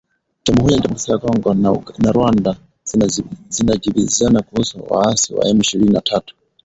Jamuhuri ya Kidemokrasia ya Kongo na Rwanda zajibizana kuhusu waasi wa M ishirini na tatu